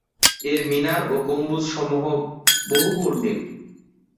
এর মিনার ও গম্বুজ সমূহ বহুবর্ণিল।